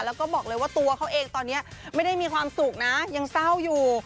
แล้วก็บอกเลยว่าตัวเขาเองตอนนี้ไม่ได้มีความสุขนะยังเศร้าอยู่